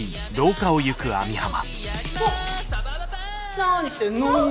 何してんの？